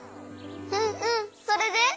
うんうんそれで？